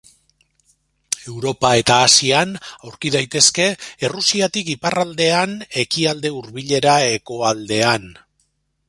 Europa eta Asian aurki daitezke, Errusiatik iparraldean Ekialde Hurbilera hegoaldean.